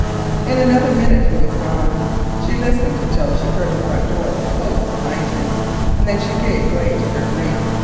In another minute he was gone. She listened till she heard the front door close behind him, and then gave way to her grief.